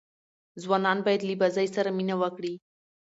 ځوانان باید له بازۍ سره مینه وکړي.